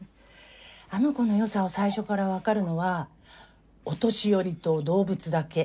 あの子の良さを最初からわかるのはお年寄りと動物だけ。